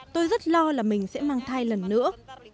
tôi sẽ mang thai lần nữa